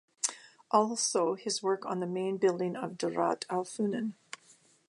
Also his work on the main building of Darat Al Funun.